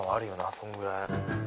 そんぐらい。